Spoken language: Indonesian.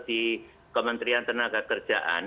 di kementerian tenaga kerjaan